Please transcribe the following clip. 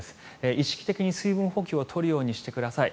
意識的に水分補給を取るようにしてください。